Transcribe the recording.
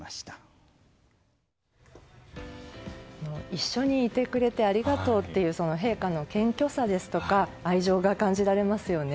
一緒にいてくれてありがとうという陛下の謙虚さですとか愛情が感じられますよね。